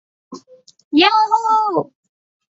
Yahoo বা Yahoo!